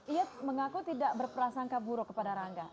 ia mengaku tidak berprasangka buruk kepada rangga